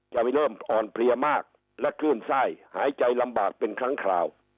จะเริ่มอ่อนเพลียมากและคลื่นไส้หายใจลำบากเป็นครั้งคราว